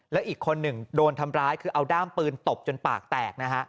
แล้วอีกคนหนึ่งโดนทำร้ายคือเอาด้ามปืนตบจนปากแตกนะฮะ